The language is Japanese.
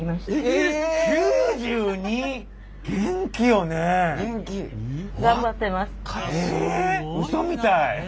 えうそみたい。